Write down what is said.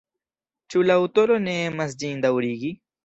Ĉu la aŭtoro ne emas ĝin daŭrigi?